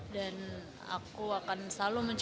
dan aku akan selalu mencari